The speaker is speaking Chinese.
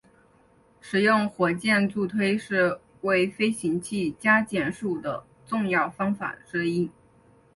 使用火箭助推是为飞行器加减速的重要方法之一。